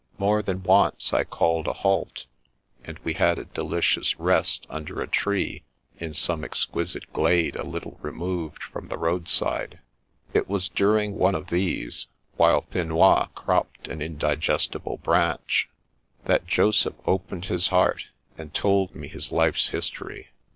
More than once I called a halt, and we had a deli cious rest under a tree in some exquisite glade a little removed from the roadside. It was during one of these, while Finois cropped an indigestible branch, that Joseph opened his heart, and told me his life's history.